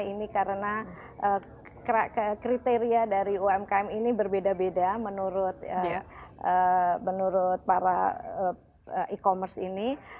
ini karena kriteria dari umkm ini berbeda beda menurut para e commerce ini